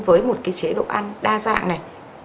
với một chế độ ăn đa dạng này